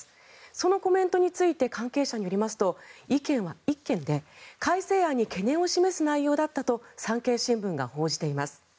そのコメントについて関係者によりますと意見は１件で改正案に懸念を示す内容だったと産経新聞が報じています。